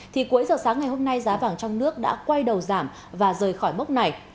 thì cuối giờ sáng ngày hôm nay giá vàng trong nước đã quay đầu giảm và rời khỏi mốc này